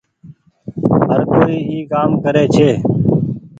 هر ڪوئي اي ڪآم ڪري ڇي۔